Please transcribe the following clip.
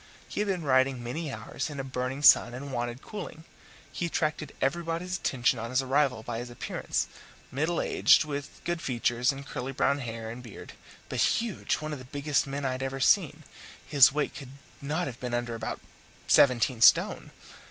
He had been riding many hours in a burning sun, and wanted cooling. He attracted everybody's attention on his arrival by his appearance: middle aged, with good features and curly brown hair and beard, but huge one of the biggest men I had ever seen; his weight could not have been under about seventeen stone.